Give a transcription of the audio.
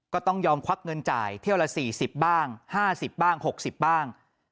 ก็ต้องยอมควักเงินจ่ายเที่ยวละ๔๐บ้าง๕๐บ้าง๖๐บ้าง